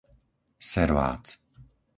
Servác